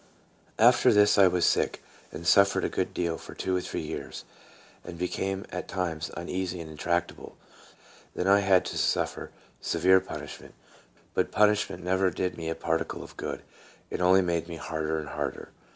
After this I was sick, and suffered a good deal for two or three years, and became at times uneasy and intractable. Then I had to suffer severe punishment; but punishment never did me a particle of good, it only made me harder and harder.